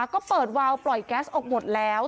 ก็เปิดวาวปล่อยแก๊สออกหมดแล้ว